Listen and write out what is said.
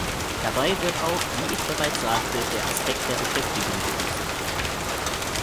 Dabei wird auch, wie ich bereits sagte, der Aspekt der Beschäftigung berücksichtigt.